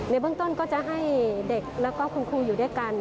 ในเบื้องต้นก็จะให้เด็กแล้วก็คุณครูอยู่ด้วยกัน